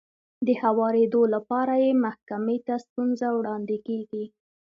د هوارېدو لپاره يې محکمې ته ستونزه وړاندې کېږي.